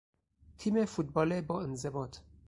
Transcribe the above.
تیم فوتبال با انضباط